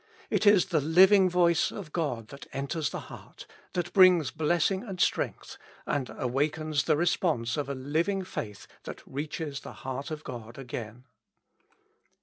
It is the living voice of God that enters the heart, that brings blessing and strength, and awakens the response of a living faith that reaches the heart of God again.